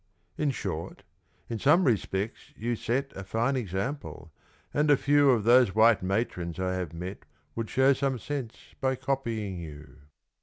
In short, in some respects you set A fine example; and a few Of those white matrons I have met Would show some sense by copying you.